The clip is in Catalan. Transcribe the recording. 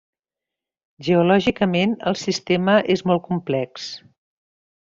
Geològicament el sistema és molt complex.